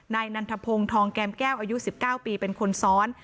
นันทพงศ์ทองแก้มแก้วอายุ๑๙ปีเป็นคนซ้อน